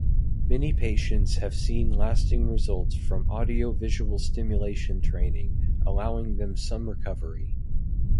Many patients have seen lasting results from Audio-visual Stimulation Training, allowing them some recovery.